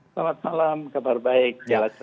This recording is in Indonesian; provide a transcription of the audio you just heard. selamat malam kabar baik